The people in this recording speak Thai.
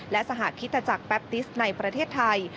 และสหคิตจักรแปปติสในประเทศไทย